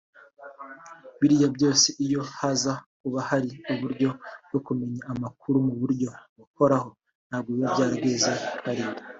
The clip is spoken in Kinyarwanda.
Biriya byose iyo haza kuba hari uburyo bwo kumenya amakuru mu buryo buhoraho ntabwo biba byarageze hariya